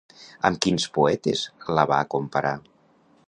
Amb quins poetes la va comparar?